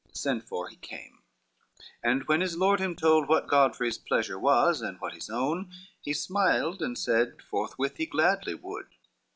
LVIII Sent for, he came, and when his lord him told What Godfrey's pleasure was and what his own, He smiled and said forthwith he gladly would.